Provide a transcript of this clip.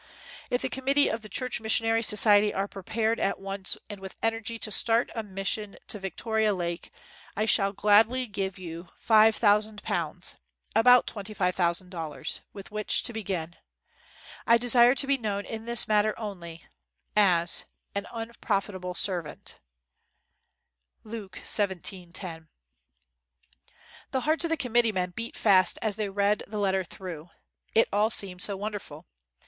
If the Committee of the Church Missionary Society are prepared at once and with energy to start a mission to 23 WHITE MAN OF WORK Victoria Lake, I shall gladly give you £5,000 [about $25,000] with which to begin. "I desire to be known in this matter only 'An Unprofitable Servant.' (Lukexvii.10)." The hearts of the committeemen beat fast as they read the letter through. It all seemed so wonderful.